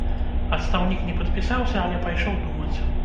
Адстаўнік не падпісаўся, але пайшоў думаць.